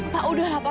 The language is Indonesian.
pak udahlah pak